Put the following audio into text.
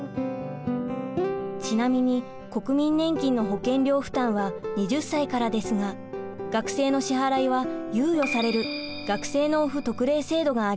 ちなみに国民年金の保険料負担は２０歳からですが学生の支払いは猶予される学生納付特例制度があります。